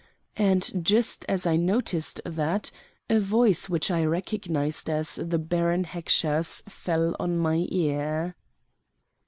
And just as I noticed that a voice which I recognized as the Baron Heckscher's fell on my ear.